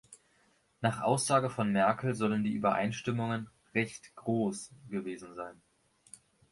Nach Aussage von Merkel sollen die Übereinstimmungen "„recht groß“" gewesen sein.